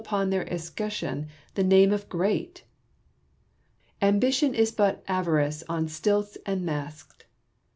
upon their escutcheon the name of great ! Ambition is but Avarice on stilts and masked.